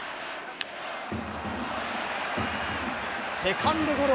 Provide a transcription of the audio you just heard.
セカンドゴロ。